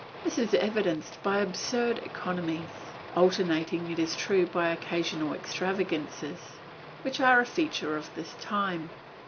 This is evidenced by absurd economies (alternated it is true by occasional extravagances), which are a feature of this time.